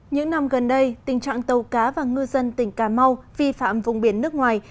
những năm gần đây tình trạng tàu cá và ngư dân tỉnh cà mau vi phạm vùng biển nước ngoài